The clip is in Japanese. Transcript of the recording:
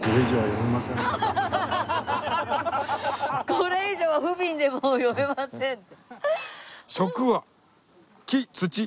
これ以上はふびんでもう読めませんって。